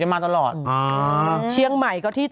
เฮ้าเย็บจนหมี